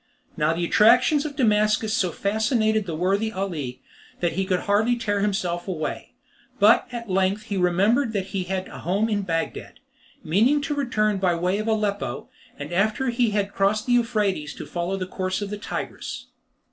Now the attractions of Damascus so fascinated the worthy Ali, that he could hardly tear himself away, but at length he remembered that he had a home in Bagdad, meaning to return by way of Aleppo, and after he had crossed the Euphrates, to follow the course of the Tigris.